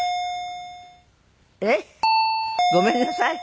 えっ？ごめんなさい。